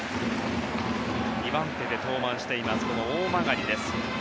２番手で登板しています大曲です。